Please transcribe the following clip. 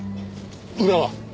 裏は？